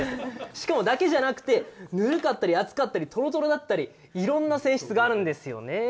しかも、それだけじゃなくてぬるかったり、熱かったりとろとろだったりいろんな泉質があるんですよね。